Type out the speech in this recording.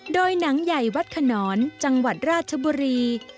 โดยหนังใหญ่วัดขนอนจังหวัดราชบุรี